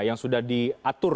yang sudah diatur